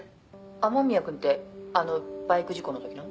「雨宮君ってあのバイク事故のときの？」